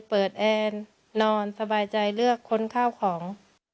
แอนนอนสบายใจเลือกคนข้าวของ